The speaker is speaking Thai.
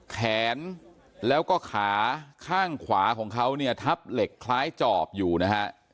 แขนแล้วก็ขาข้างขวาของเขาเนี่ยทับเหล็กคล้ายจอบอยู่นะฮะ